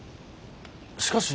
しかし。